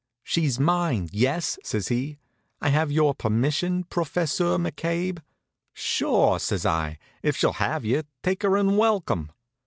"She's mine, yes?" says he. "I have your permission, Professeur McCabe?" "Sure," says I. "If she'll have you, take her and welcome."